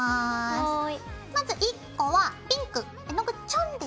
はい。